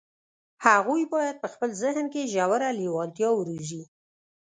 هغوی بايد په خپل ذهن کې ژوره لېوالتیا وروزي.